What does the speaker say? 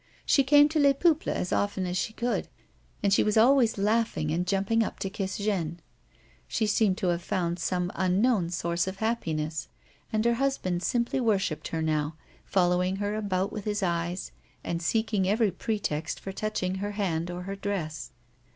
She came to Les Peuples as often as she could, aud was always laughing and jumping up to kiss Jeanne. She seemed to have found some un known source of happiness, and her husband simply wor shipped her now, following her about with his eyes afid seeking every pretext for touching her hand or her dress.